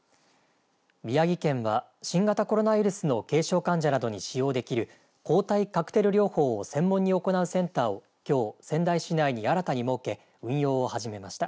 宮城県は新型コロナウイルスの軽症患者などに使用できる抗体カクテル療法を専門に行うセンターをきょう仙台市内に新たに設け運用を始めました。